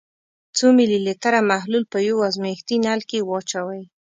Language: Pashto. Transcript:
څو ملي لیتره محلول په یو ازمیښتي نل کې واچوئ.